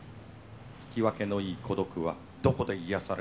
聞き分けのいい孤独はどこで癒やされるのか？